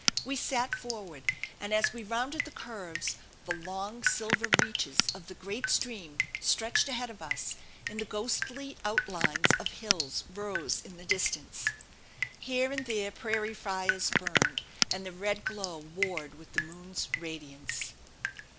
We sat forward and as we rounded the curves the long silver reaches of the great stream stretched ahead of us, and the ghostly outlines of hills rose in the distance. Here and there prairie fires burned, and the red glow warred with the moon's radiance.